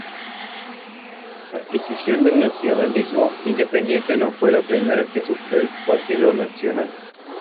La escisión del Nacionalismo Independiente no fue la primera que sufrió el Partido Nacional.